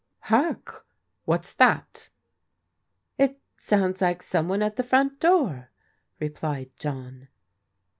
"Hark! What's that?" " It sounds like some one at the front door," replied John.